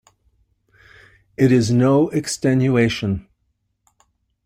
It is no extenuation.